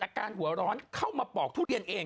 การหัวร้อนเข้ามาปอกทุเรียนเอง